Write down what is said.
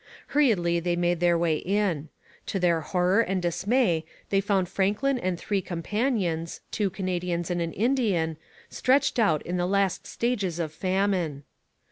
Hurriedly they made their way in. To their horror and dismay they found Franklin and three companions, two Canadians and an Indian, stretched out in the last stages of famine.